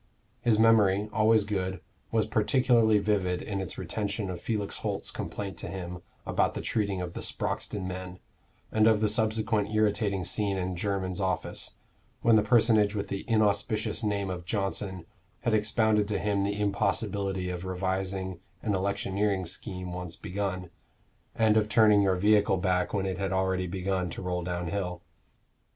His memory, always good, was particularly vivid in its retention of Felix Holt's complaint to him about the treating of the Sproxton men, and of the subsequent irritating scene in Jermyn's office, when the personage with the inauspicious name of Johnson had expounded to him the impossibility of revising an electioneering scheme once begun, and of turning your vehicle back when it had already begun to roll downhill.